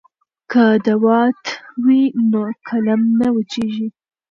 که دوات وي نو قلم نه وچیږي.